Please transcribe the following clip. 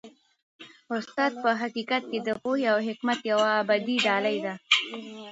استاد په حقیقت کي د پوهې او حکمت یوه ابدي ډالۍ ده.